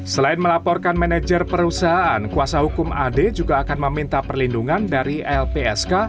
selain melaporkan manajer perusahaan kuasa hukum ad juga akan meminta perlindungan dari lpsk